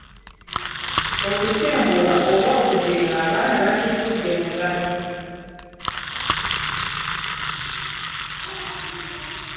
Okutenguwa oba okujeema abaana bakifudde mugano.